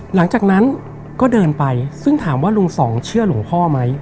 หลังจากนั้นก็เดินไปซึ่งถามว่าลุงสองเชื่อหลวงพ่อไหม